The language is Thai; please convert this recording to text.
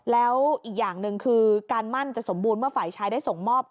แล้วอีกอย่างหนึ่งคือการมั่นจะสมบูรณ์เมื่อฝ่ายชายได้ส่งมอบ